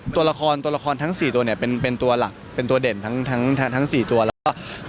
ตัวละครตัวละครทั้ง๔ตัวเนี่ยเป็นตัวหลักเป็นตัวเด่นทั้ง๔ตัวแล้วก็